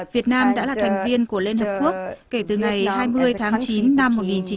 việt nam đã là thành viên của liên hợp quốc kể từ ngày hai mươi tháng chín năm một nghìn chín trăm tám mươi hai